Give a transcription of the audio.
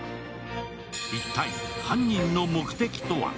一体、犯人の目的とは？